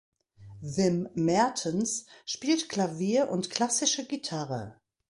Wim Mertens spielt Klavier und klassische Gitarre.